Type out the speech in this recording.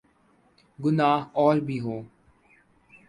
گناہ اور بھی ہوں۔